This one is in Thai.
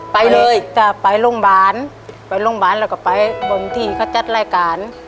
ไปเลยจะไปโรงพยาบาลไปโรงพยาบาลแล้วก็ไปบนที่เขาจัดรายการ